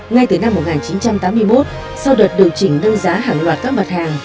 ngay từ năm một nghìn chín trăm tám mươi một sau đợt điều chỉnh nâng giá hàng loạt các mặt hàng